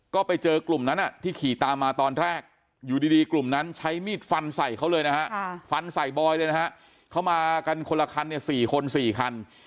ก็ไปเจอกลุ่มนั้นที่ขี่ตามมาตอนแรกอยู่ดีกลุ่มนั้นใช้มีดฟันใส่เขาเลยนะฮะฟันใส่บอยเลยนะฮะเขามากันคนละคันเนี่ย๔คน๔คัน